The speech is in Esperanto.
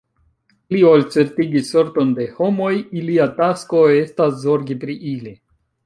Pli ol certigi sorton de homoj, ilia tasko estas zorgi pri ili.